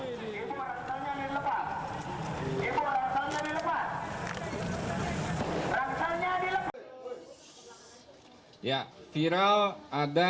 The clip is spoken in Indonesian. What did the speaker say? ibu anggotanya dilepas ibu anggotanya dilepas